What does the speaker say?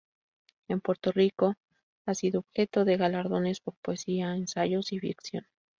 En Puerto Rico, ha sido objeto de galardones por poesía, ensayos, y ficción.